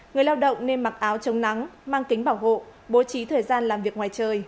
người lao động nên mặc áo chống nắng mang kính bảo hộ bố trí thời gian làm việc ngoài trời